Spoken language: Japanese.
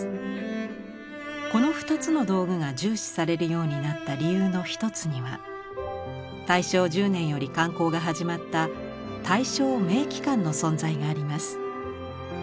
この２つの道具が重視されるようになった理由の一つには大正１０年より刊行が始まった「大正名器鑑」の存在があります。